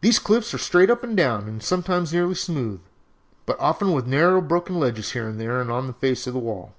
These cliffs are straight up and down, sometimes nearly smooth, but often with narrow broken ledges here and there on the face of the wall.